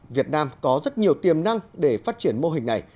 việt nam có rất nhiều tiềm năng để phát triển mô hình này